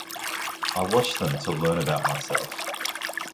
I watch them to learn about myself.